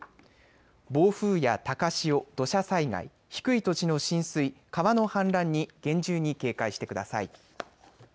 暴風や高潮、土砂災害、低い土地の浸水、川の氾濫に厳重に警戒してください。